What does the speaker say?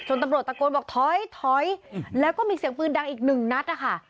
จนตำรวจตะโกนบอกท้อยแล้วก็มีเสียงฟืนดังอีก๑นัทค่ะ